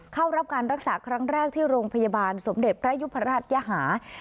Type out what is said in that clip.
เข้ารับการรักษาครั้งแรกที่โรงพยาบาลสมเด็จพระยุพราชยหา